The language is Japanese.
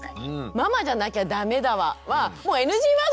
「ママじゃなきゃダメだわ」はもうＮＧワードですよね。